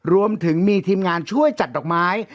รวมถึงมีทีมงานช่วยจัดดอกไม้